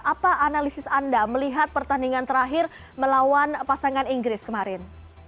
apa analisis anda melihat pertandingan terakhir melawan pasangan inggris kemarin